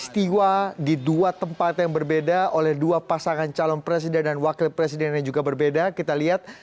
silakan pak kiai